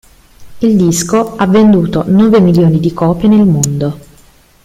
Il disco ha venduto nove milioni di copie nel mondo.